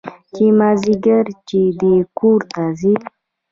چې مازديګر چې دى کور ته ځي.